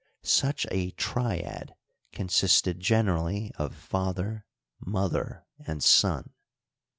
Such a triad consisted generally of father, mother, and son.